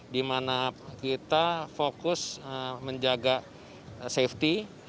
di mana kita fokus menjaga safety first singing kemudian